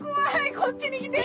こっちに来てる。